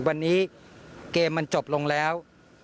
วันนี้เกมมันจบลงแล้ว